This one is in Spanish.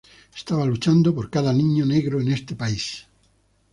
Estaba luchando por cada niño negro en este país.